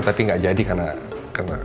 tapi nggak jadi karena